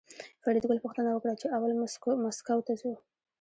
فریدګل پوښتنه وکړه چې اول مسکو ته ځو